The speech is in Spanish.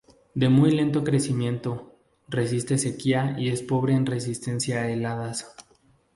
De muy lento crecimiento, resiste sequía y es pobre en resistencia a heladas.